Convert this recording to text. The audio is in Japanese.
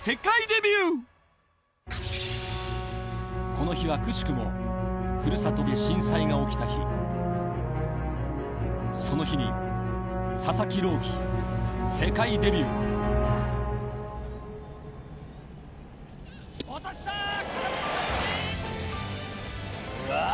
この日はくしくもふるさとで震災が起きた日その日に佐々木朗希世界デビューうわ！